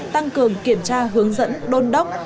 tăng cường kiểm tra hướng dẫn đôn đốc